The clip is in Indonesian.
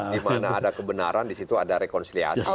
dimana ada kebenaran disitu ada rekonsiliasi